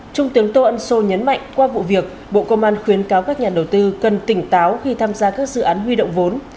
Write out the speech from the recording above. trung tướng tô ân sô nhấn mạnh qua vụ việc bộ công an khuyến cáo các nhà đầu tư cần tỉnh táo khi tham gia các dự án huy động vốn